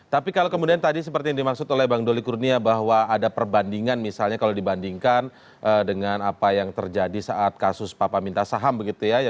tapi kalau kemudian tadi seperti yang dimaksud oleh bang doli kurnia bahwa ada perbandingan misalnya kalau dibandingkan dengan apa yang terjadi saat kasus papa minta saham begitu ya